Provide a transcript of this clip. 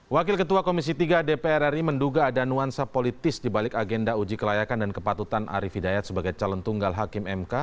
wakil ketua komisi tiga dpr ri menduga ada nuansa politis dibalik agenda uji kelayakan dan kepatutan arief hidayat sebagai calon tunggal hakim mk